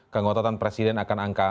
kegototan presiden akan angka